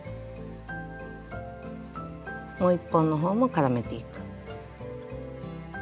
もう一本の方も絡めていく。